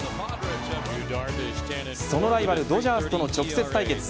そのライバルドジャースとの直接対決。